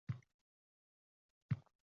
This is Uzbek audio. Saltanatni inqirozdan